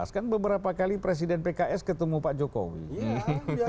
kan beberapa kali presiden pks ketemu pak jokowi